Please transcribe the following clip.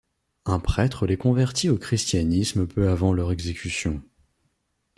Un prêtre les convertit au christianisme peu avant leur exécution.